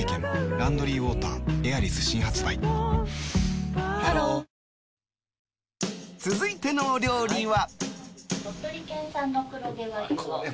「ランドリーウォーターエアリス」新発売ハロー続いてのお料理は。